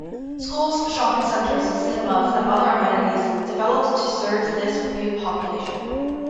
Schools, shopping centres, cinemas and other amenities developed to serve this new population.